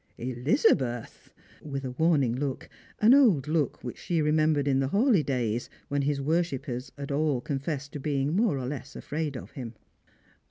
" Elizabeth !" with a warning look, an old look which she re membered in the Hawleigh days, when his worshippers had all confessed to being more or less afraid of him.